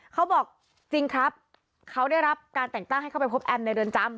เขาบอกจริงครับเขาได้รับการแต่งตั้งให้เข้าไปพบแอมในเรือนจำ